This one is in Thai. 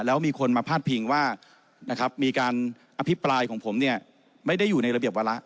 แล้วมีคนมาพาดพิงว่านะครับมีการอภิปรายของผมเนี่ยไม่ได้อยู่ในระเบียบวาระ